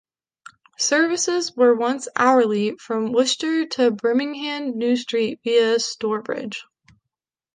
Services were once hourly from Worcester to Birmingham New Street via Stourbridge.